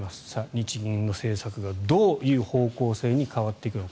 日銀の政策がどういう方向性に変わっていくのか。